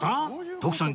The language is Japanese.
徳さん